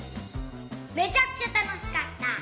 めちゃくちゃたのしかった！